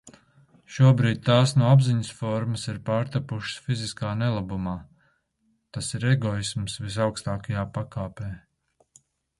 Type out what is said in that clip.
Šobrīd tās no apziņas formas ir pārtapušas fiziskā nelabumā. Tas ir egoisms visaugstākajā pakāpē.